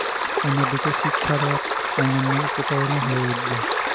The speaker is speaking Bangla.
অন্যদিকে, শিক্ষার এক অনন্য উপকরণও হয়ে উঠবে।